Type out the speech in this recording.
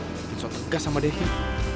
mungkin soal tegas sama devin